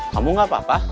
kamu gak apa apa